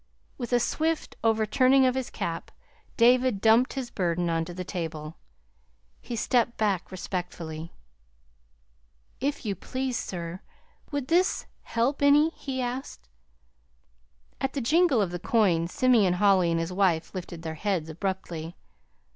With a swift overturning of his cap, David dumped his burden onto the table, and stepped back respectfully. "If you please, sir, would this help any?" he asked. At the jingle of the coins Simeon Holly and his wife lifted their heads abruptly.